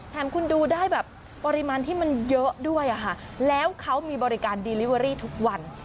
แถมคุณดูได้แบบปริมาณที่มันเยอะด้วยค่ะแล้วเขามีบริการดีลิเวอรี่ทุกวัน